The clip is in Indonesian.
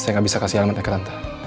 saya gak bisa kasih alamatnya ke tante